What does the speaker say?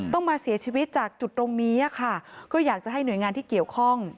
ต้องมาเสียชีวิตจากจุดตรงนี้ค่ะก็อยากจะให้หน่วยงานที่เกี่ยวข้อง